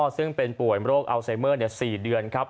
ซึ่งเป็นป่วยโรคอัลไซเมอร์๔เดือนครับ